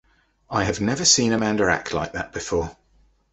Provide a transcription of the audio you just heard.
I have never seen Amanda act like that before.